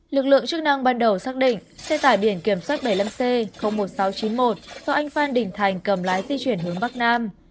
lực lượng chức năng ban đầu xác định xe tải biển kiểm soát bảy mươi năm c một nghìn sáu trăm chín mươi một do anh phan đình thành cầm lái di chuyển hướng bắc nam